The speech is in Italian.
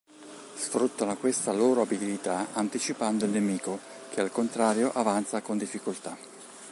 Sfruttano questa loro abilità anticipando il nemico che al contrario avanza con difficoltà.